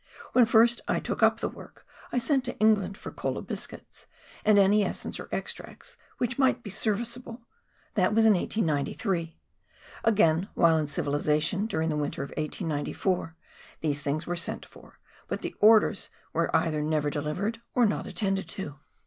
When first I took up the work I sen t to England for Kola biscuits, and any essence or extract which might be serviceable — that was in 1893 ; again, while in civilisation during the winter of 1894, these things were sent for, but the orders were either never delivered, or not attended to.